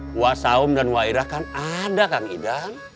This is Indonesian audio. puasa um dan wairah kan ada kan idan